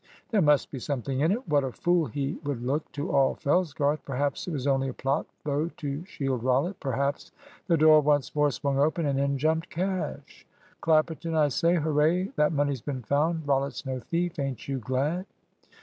There must be something in it. What a fool he would look to all Fellsgarth! Perhaps it was only a plot, though, to shield Rollitt. Perhaps The door once more swung open, and in jumped Cash. "Clapperton, I say Hooray! That money's been found. Rollitt's no thief. Ain't you glad?"